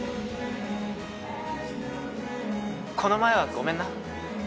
この前はごめんな。